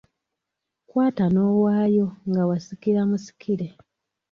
Kwata n’owaayo, nga wasikira musikire.